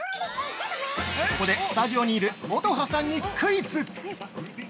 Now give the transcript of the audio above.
ここでスタジオにいる乙葉さんにクイズ！